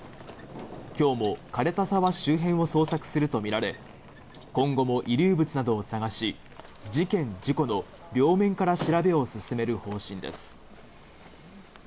今日も枯れた沢周辺を捜索するとみられ、今後も遺留物などを探し、事件、事故の両面から調べを進める方針です。